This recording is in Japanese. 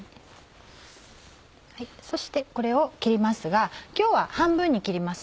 そしてこれを切りますが今日は半分に切ります。